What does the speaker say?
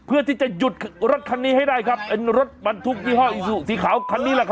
เพื่อที่จะหยุดรถคันนี้ให้ได้ครับเป็นรถบรรทุกยี่ห้ออีซูสีขาวคันนี้แหละครับ